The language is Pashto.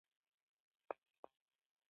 واکسین د ماشومانو او لویانو ژوند ژغوري.